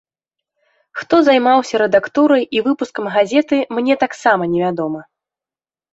Хто займаўся рэдактурай і выпускам газеты, мне таксама невядома.